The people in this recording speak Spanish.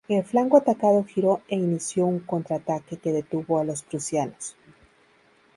El flanco atacado giró e inició un contraataque que detuvo a los prusianos.